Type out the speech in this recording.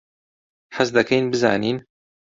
حەز دەکەین بزانین.